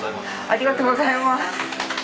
ありがとうございます。